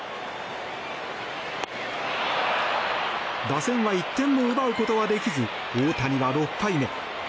打線は１点も奪うことはできず大谷は６敗目。